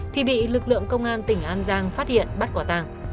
thì bị lực lượng công an tỉnh an giang phát hiện bắt quả tàng